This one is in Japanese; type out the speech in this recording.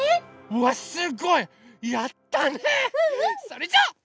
それじゃ。